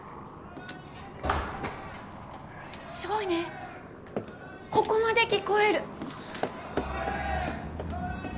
・すごいねここまで聞こえる。